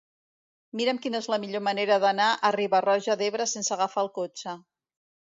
Mira'm quina és la millor manera d'anar a Riba-roja d'Ebre sense agafar el cotxe.